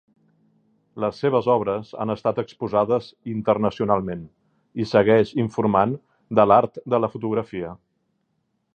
Les seves obres han estat exposades internacionalment i segueix informant de l'art de la fotografia.